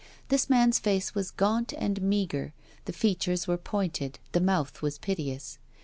This man's face was gaunt and meagre, the features were pointed, the mouth was piteous.